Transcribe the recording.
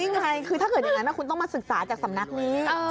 นี่ไงคือถ้าเกิดอย่างนั้นคุณต้องมาศึกษาจากสำนักนี้